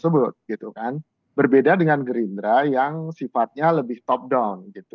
berbeda dengan gerindra yang sifatnya lebih top down